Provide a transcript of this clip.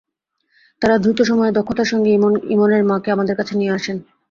তাঁরা দ্রুত সময়ে দক্ষতার সঙ্গে ইমনের মাকে আমাদের কাছে নিয়ে আসেন।